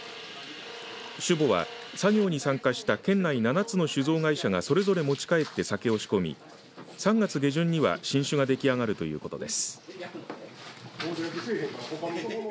酒母は作業に参加した県内７つの酒造会社がそれぞれ持ち帰って酒を仕込み３月下旬には新酒ができあがるということです。